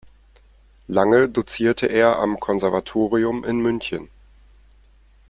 Lange dozierte er am Konservatorium in München.